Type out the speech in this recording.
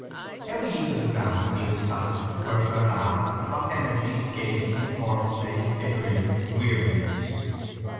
Every inch of ground had been the site, first or last, of energy, gaiety, horse play, bickerings, weariness.